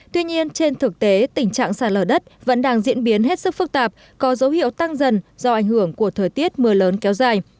tuy nhiên trên thực tế tình trạng sạt lở đất vẫn đang diễn biến hết sức phức tạp có dấu hiệu tăng dần do ảnh hưởng của thời tiết mưa lớn kéo dài